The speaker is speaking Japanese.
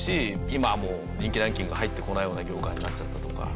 今はもう人気ランキング入ってこないような業界になっちゃったとか。